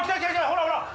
ほらほらあ。